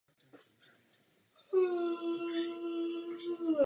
Maurice Denise a jeho dílo ovlivnila velká znalost literatury a filozofie.